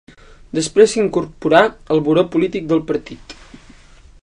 Després s'incorporà al buró polític del partit.